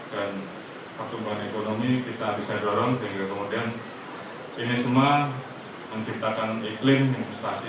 dan pertumbuhan ekonomi kita bisa dorong sehingga kemudian ini semua menciptakan iklim investasi